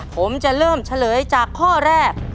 ผมจะเริ่มเฉลยจากข้อแรก